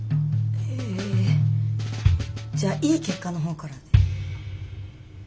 えじゃあいい結果の方からで。